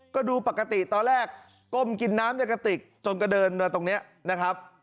ก็ดูปกติตอนแรกก้มกินน้ำในกระติกจนกระเดินมาตรงนี้นะครับ